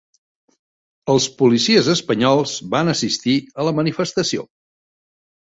Els policies espanyols van assistir a la manifestació